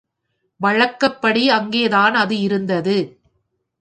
வழக்கப்படி அங்கேதான் அது இருந்தது.